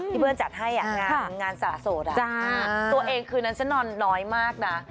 ที่เพื่อนจัดให้อ่ะงานสระโสดอ่ะตัวเองคือนั้นฉันนอนน้อยมากนะ